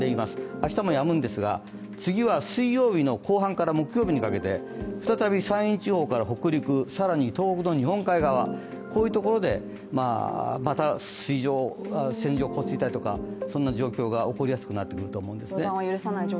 明日もやむんですが、次は水曜日の後半から木曜日にかけて再び山陰地方から北陸、更に東北、日本海側、こういうところでまた線状降水帯とかそんな状況が起こりやすくなってくると思いますね。